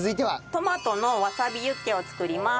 トマトのわさびユッケを作ります。